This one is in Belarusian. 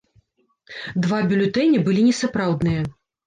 Два бюлетэні былі несапраўдныя.